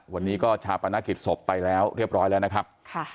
วันนี้ก็ชาปนกิจศพไปแล้วเรียบร้อยแล้วนะครับ